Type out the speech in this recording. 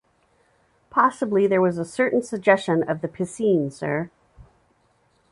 Possibly there was a certain suggestion of the piscine, sir.